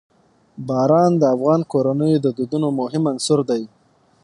باران د افغان کورنیو د دودونو مهم عنصر دی.